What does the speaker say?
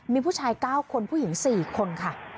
มีผู้ชาย๙คนผู้หญิง๔คนค่ะ